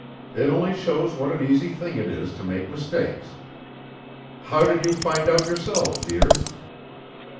It only shows what an easy thing it is to make mistakes. How did you find out yourself, dear?"